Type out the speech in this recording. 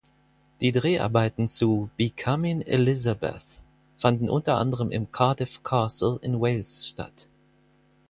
Die Dreharbeiten zu "Becoming Elizabeth" fanden unter anderem im Cardiff Castle in Wales statt.